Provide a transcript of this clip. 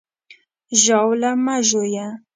ژاوله مه ژویه!